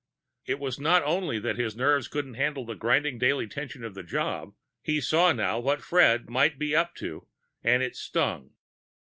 It was not only that his nerves couldn't handle the grinding daily tension of the job; he saw now what Fred might be up to, and it stung.